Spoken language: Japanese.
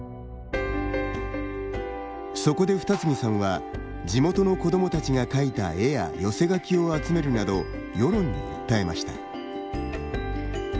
そこで二木さんは地元の子どもたちが描いた絵や寄せ書きを集めるなど世論に訴えました。